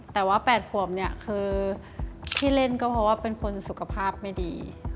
แต่ว่า๘ขวบเนี่ยคือที่เล่นก็เพราะว่าเป็นคนสุขภาพไม่ดี